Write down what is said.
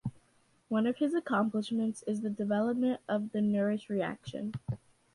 One of his accomplishments is the development of the Norrish reaction.